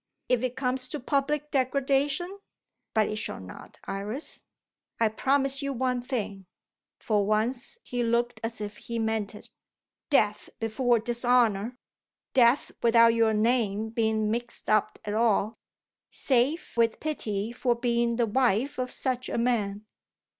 If it comes to public degradation but it shall not. Iris, I promise you one thing." For once he looked as if he meant it. "Death before dishonour. Death without your name being mixed up at all, save with pity for being the wife of such a man."